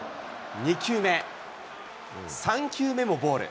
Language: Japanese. ２球目、３球目もボール。